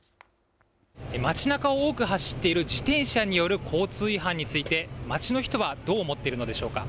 街なかを多く走っている自転車による交通違反について街の人はどう思っているのでしょうか。